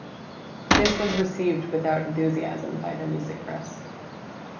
This was received without enthusiasm by the music press.